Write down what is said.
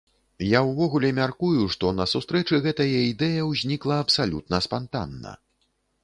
Я ўвогуле мяркую, што на сустрэчы гэтая ідэя ўзнікла абсалютна спантанна.